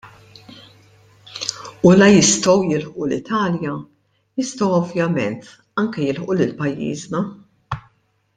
U la jistgħu jilħqu l-Italja jistgħu ovvjament anke jilħqu lil pajjiżna.